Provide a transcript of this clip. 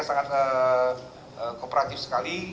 sangat kooperatif sekali